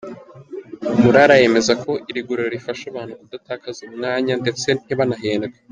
Murara yemeza ko iri guriro rifasha abantu kudatakaza umwanya ndetse ntibanahendwe.